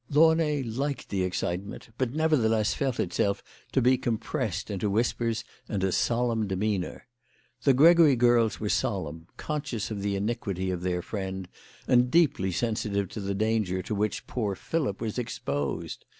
Launay liked the excite 142 THE LADY OF LAUNAY. ment ; but, nevertheless, felt itself to be compressed into whispers and a solemn demeanour. The Gregory girls were solemn, conscious of the iniquity of their friend, and deeply sensitive of the danger to which poor Philip was exposed.